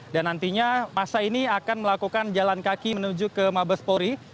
dan nantinya masa ini akan melakukan jalan kaki menuju ke mabespori